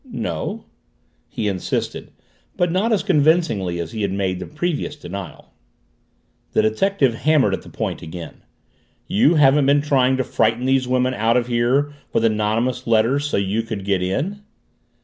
"No," he insisted, but not as convincingly as he had made his previous denial. The detective hammered at the point again. "You haven't been trying to frighten these women out of here with anonymous letters so you could get in?"